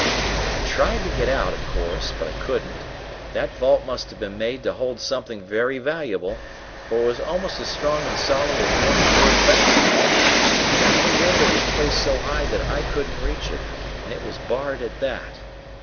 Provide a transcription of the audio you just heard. "I tried to get out, of course, but I couldn't. That vault must have been made to hold something very valuable, for it was almost as strong and solid as one in your bank, Ned. The only window was placed so high that I couldn't reach it, and it was barred at that.